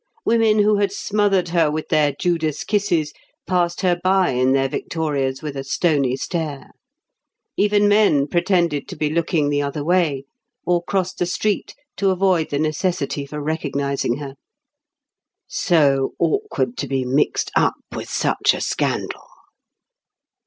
Women who had smothered her with their Judas kisses passed her by in their victorias with a stony stare. Even men pretended to be looking the other way, or crossed the street to avoid the necessity for recognising her. "So awkward to be mixed up with such a scandal!"